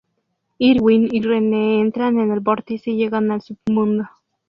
Irwin y Rene entran en el vórtice y llegan al Submundo.